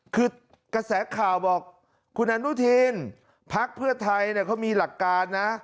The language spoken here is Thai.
คือกระแสข่าวบอกคุณอนุทินพักเพื่อไทยเขามีหลักการนะ